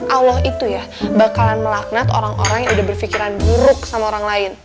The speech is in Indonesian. allah itu ya bakalan melaknat orang orang yang udah berpikiran buruk sama orang lain